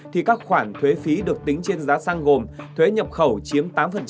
thì các khoản thuế phí được tính trên giá xăng gồm thuế nhập khẩu chiếm tám